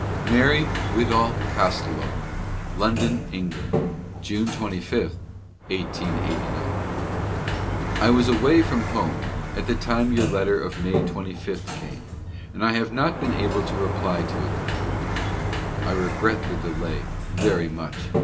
Mary Whitall Costelloe: London, England, June 25, 1889. I was away from home at the time your letter of May 25th came, and I have not been able to reply to it before. I regret the delay very much